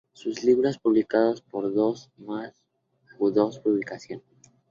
Sus libros publicados por Dos Más Dos Publicación.